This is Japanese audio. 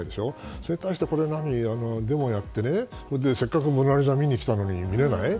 それに対して、デモをやってせっかく「モナ・リザ」を見に来たのに見れない？